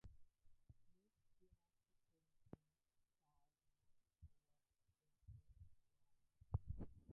Mid-dynasty painting styles moved towards increased realism.